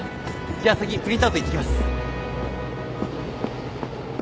じゃあ先プリントアウト行ってきます。